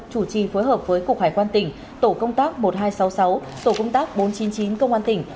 chủ trì phối hợp với cục hải quan tỉnh tổ công tác một nghìn hai trăm sáu mươi sáu tổ công tác bốn trăm chín mươi chín công an tỉnh